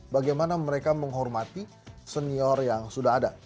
bagaimana mereka menghormati senior yang sudah ada